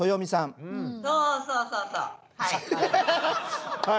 そうそうそうそうはい。